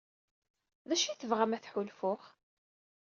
D acu ay tebɣam ad t-ḥulfuɣ?